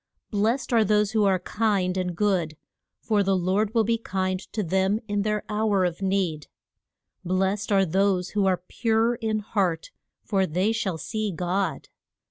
Blest are those who are kind and good, for the Lord will be kind to them in their hour of need. Blest are those who are pure in heart, for they shall see God.